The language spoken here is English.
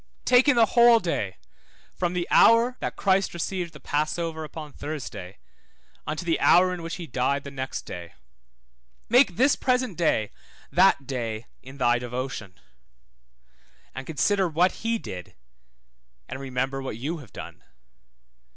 Take in the whole day from the hour that Christ received the passover upon Thursday unto the hour in which he died the next day. Make this present day that day in thy devotion, and consider what he did, and remember what you have done.